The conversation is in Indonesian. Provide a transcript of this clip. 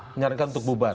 menyarankan untuk bubar